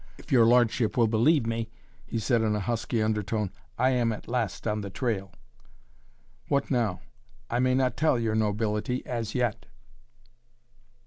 "If your lordship will believe me," he said in a husky undertone, "I am at last on the trail." "What now?" "I may not tell your nobility as yet."